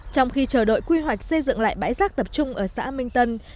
trong khi chờ đợi quy hoạch xây dựng lại bãi rác tập trung ở xã minh tân